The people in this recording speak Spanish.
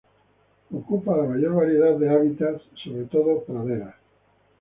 Ocupa la mayor variedad de hábitats, sobre todo praderas.